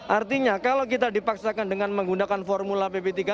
artinya kalau kita dipaksakan dengan menggunakan formula pp tiga puluh